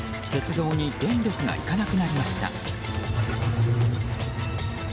鉄道に電力がいかなくなりました。